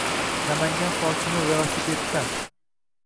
Namangan hokimi velosipedda